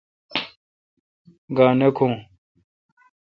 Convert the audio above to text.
گاؘ نہ کھون۔